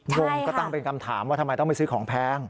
งงก็ตั้งเป็นคำถามว่าทำไมต้องไปซื้อของแพง